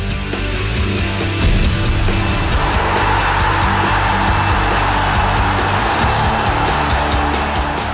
สำเร็จ